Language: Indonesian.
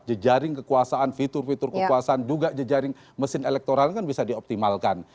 jejaring kekuasaan fitur fitur kekuasaan juga jejaring mesin elektoral kan bisa dioptimalkan